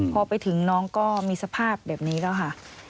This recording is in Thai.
พอไปถึงน้องก็มีสภาพแบบนี้แล้วค่ะ